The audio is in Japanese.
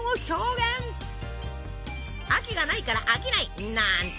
「秋」がないから「飽きない」！なんて